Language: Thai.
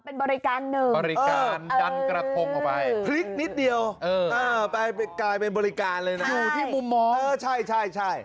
เป็นบริการหนึ่งบริการดันกระทงออกไปพลิกนิดเดียวไปกลายเป็นบริการเลยนะอยู่ที่มุมมองเออใช่ใช่